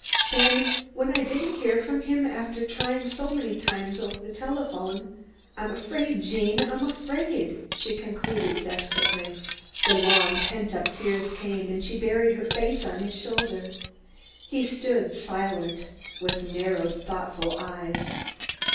Then, when I didn't hear from him after trying so many times over the telephone I'm afraid, Gene, I'm afraid," she concluded desperately. The long pent up tears came, and she buried her face on his shoulder. He stood silent, with narrowed, thoughtful eyes.